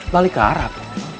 balik ke arab